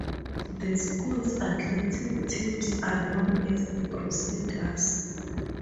The school's athletic teams are known as the Crusaders.